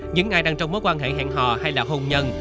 những ai đang trong mối quan hệ hẹn hò hay là hôn nhân